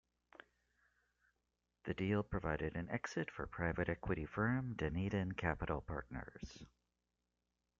The deal provided an exit for private equity firm Dunedin Capital Partners.